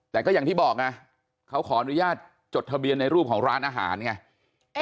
แต่ก็อย่างที่บอกไงเขาขออนุญาตจดทะเบียนในรูปของร้านอาหารไง